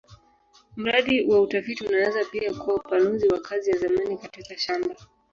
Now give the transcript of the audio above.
Mradi wa utafiti unaweza pia kuwa upanuzi wa kazi ya zamani katika shamba.